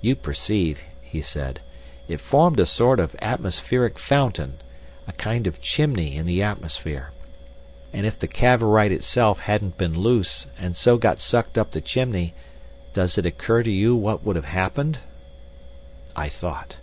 "You perceive," he said, "it formed a sort of atmospheric fountain, a kind of chimney in the atmosphere. And if the Cavorite itself hadn't been loose and so got sucked up the chimney, does it occur to you what would have happened?" I thought.